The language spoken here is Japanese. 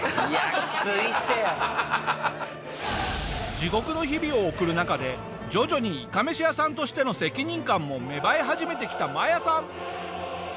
地獄の日々を送る中で徐々にいかめし屋さんとしての責任感も芽生え始めてきたマヤさん。